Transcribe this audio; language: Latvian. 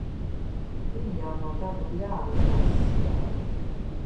Viņi jau no tava bļāviena aizskrēja.